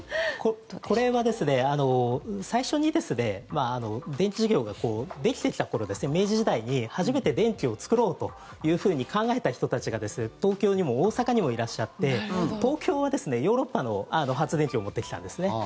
これは最初に電気事業ができてきた頃明治時代に初めて電気を作ろうと考えた人たちが東京にも大阪にもいらっしゃって東京はヨーロッパの発電機を持ってきたんですね。